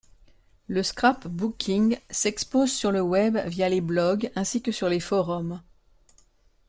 Le scrapbooking s'expose sur le web via les blogs ainsi que sur les forums.